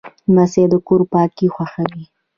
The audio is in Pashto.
لمسی د کور پاکي خوښوي.